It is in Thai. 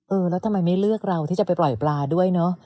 เออแล้วทำไมไม่เลือกเราที่จะไปปล่อยปลาด้วยเนอะ